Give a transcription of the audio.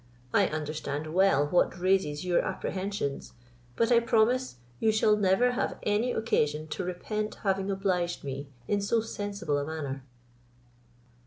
I understand well what raises your apprehensions; but I promise, you shall never have any occasion to repent having obliged me in so sensible a manner."